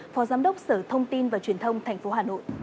phó giám đốc sở thông tin và truyền thông thành phố hà nội